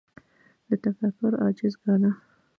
له تفکر عاجز ګاڼه